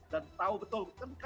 dan tahu betul